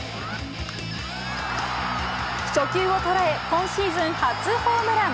初球を捉え、今シーズン初ホームラン。